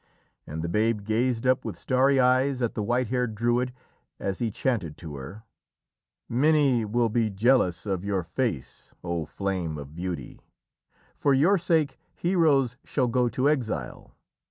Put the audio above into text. And the babe gazed up with starry eyes at the white haired Druid as he chanted to her: "_Many will be jealous of your face, O flame of beauty; for your sake heroes shall go to exile.